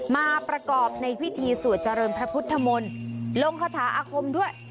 มาประกอบในพิธีสวดเจริญพระพุทธมนต์ลงคาถาอาคมด้วย